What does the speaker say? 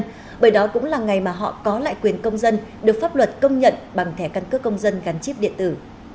nhưng đó cũng là ngày mà họ có lại quyền công dân được pháp luật công nhận bằng thẻ căn cước công dân gắn chip điện tử